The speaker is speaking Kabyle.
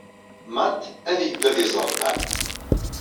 Matt ad yeddu ad iẓer Dan.